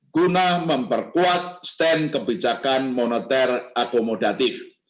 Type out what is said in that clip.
guna memperkuat stand kebijakan moneter akomodatif